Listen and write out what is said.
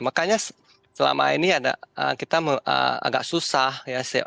makanya selama ini ada kita agak susah ya saya mencoba